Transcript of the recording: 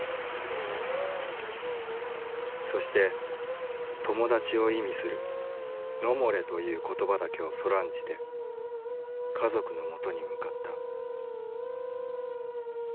そして友達を意味するノモレという言葉だけをそらんじて家族のもとに向かった。